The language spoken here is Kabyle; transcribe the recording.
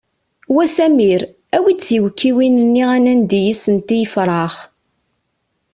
Wa Samir awi-d tiwekkiwin-nni ad nandi yis-sent i yefrax!